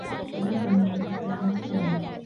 كان سامي يعيش حياة محترمة.